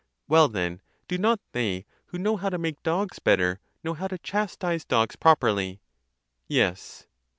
— Well then, do not they, who know how to make dogs better, know how to chastise dogs properly ?—Yes.